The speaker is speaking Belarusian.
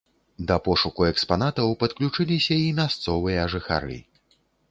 Да пошуку экспанатаў падключыліся і мясцовыя жыхары.